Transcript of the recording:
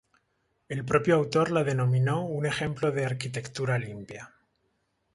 El propio autor la denominó un ejemplo de "arquitectura limpia".